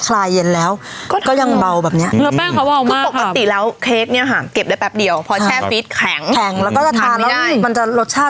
มันจะค่อนข้างมีความหนา